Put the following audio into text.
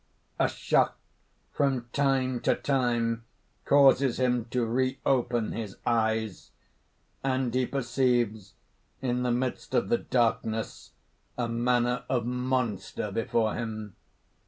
A shock from time to time causes him to reopen his eyes; and he perceives in the midst of the darkness a manner of monster before him.